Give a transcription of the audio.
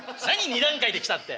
２段階で来たって。